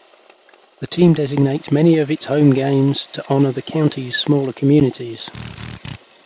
The team designates many of its home games to honor the county's smaller communities.